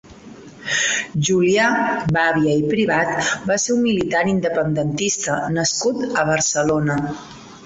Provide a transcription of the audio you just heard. Julià Babia i Privat va ser un militant independentista nascut a Barcelona.